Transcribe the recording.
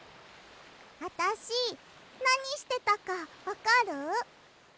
あたしなにしてたかわかる？